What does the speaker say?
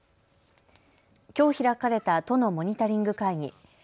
きょう開かれた都のモニタリング会議。